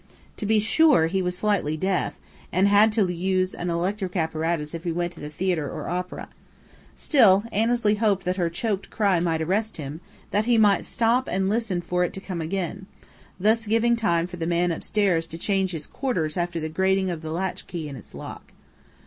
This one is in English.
To be sure, he was slightly deaf, and had to use an electric apparatus if he went to the theatre or opera; still, Annesley hoped that her choked cry might arrest him, that he might stop and listen for it to come again, thus giving time for the man upstairs to change his quarters after the grating of the latchkey in its lock.